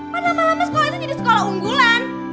kan lama lama sekolah itu jadi sekolah unggulan